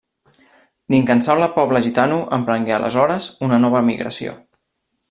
L'incansable poble gitano emprengué, aleshores, una nova migració.